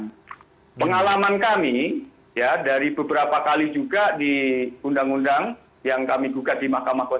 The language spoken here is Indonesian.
jadi pengalaman kami ya dari beberapa kali juga di undang undang yang kami gugat di mk